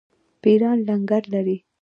پیران لنګر لري.